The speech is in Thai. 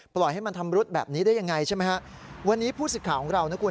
ปล่อยให้มันทำรุดแบบนี้ได้ยังไงใช่ไหมฮะวันนี้ผู้สิทธิ์ข่าวของเรานะคุณ